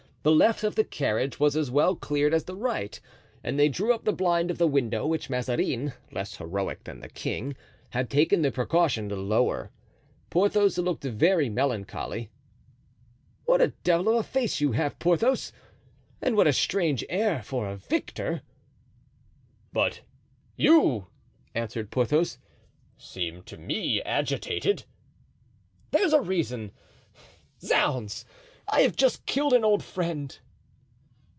The left of the carriage was as well cleared as the right, and they drew up the blind of the window which Mazarin, less heroic than the king, had taken the precaution to lower. Porthos looked very melancholy. "What a devil of a face you have, Porthos! and what a strange air for a victor!" "But you," answered Porthos, "seem to me agitated." "There's a reason! Zounds! I have just killed an old friend."